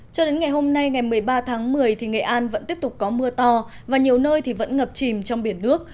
cho đến ngày hôm nay ngày một mươi ba tháng một mươi thì nghệ an vẫn tiếp tục có mưa to và nhiều nơi vẫn ngập chìm trong biển nước